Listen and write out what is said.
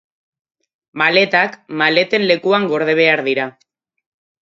Maletak maleten lekuan gorde behar dira.